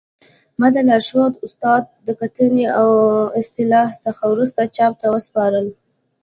ما د لارښود استاد د کتنې او اصلاح څخه وروسته چاپ ته وسپاره